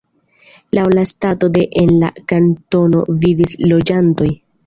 Laŭ la stato de en la kantono vivis loĝantoj.